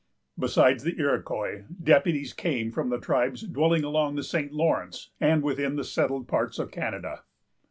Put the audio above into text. Besides the Iroquois, deputies came from the tribes dwelling along the St. Lawrence, and within the settled parts of Canada.